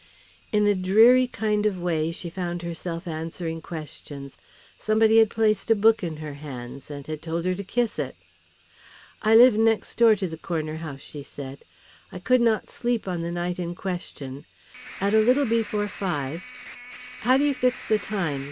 In a dreary kind of way she found herself answering questions. Somebody had placed a book in her hands and had told her to kiss it. "I live next door to the corner house," she said. "I could not sleep on the night in question. At a little before five " "How do you fix the time?"